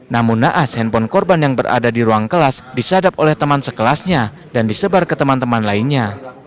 namun naas handphone korban yang berada di ruang kelas disadap oleh teman sekelasnya dan disebar ke teman teman lainnya